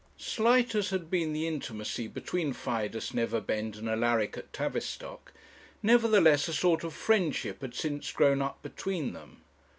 Slight as had been the intimacy between Fidus Neverbend and Alaric at Tavistock, nevertheless a sort of friendship had since grown up between them.